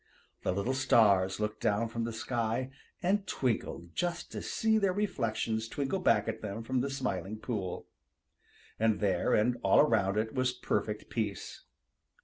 The little stars looked down from the sky and twinkled just to see their reflections twinkle back at them from the Smiling Pool. And there and all around it was perfect peace.